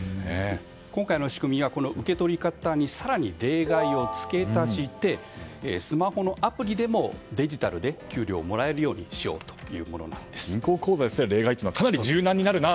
今回の仕組みはこの受け取り方に更に例外をつけ足してスマホのアプリでもデジタルで給料がもらえるようにしようというものなんです。